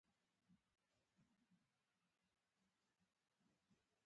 د پنجشیر درې هم لرغونی تاریخ لري